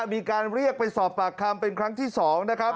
มีการเรียกไปสอบปากคำเป็นครั้งที่๒นะครับ